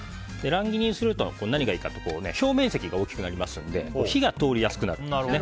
乱切りにすると何がいいかというと表面積が大きくなりますので火が通りやすくなりますね。